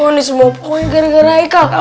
oh ini semua pokoknya kering keringan